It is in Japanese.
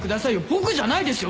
僕じゃないですよ。